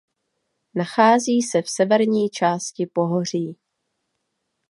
Nachází se v severní části pohoří.